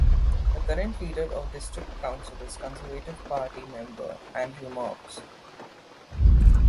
The current leader of the district council is Conservative Party member Andrew Mobbs.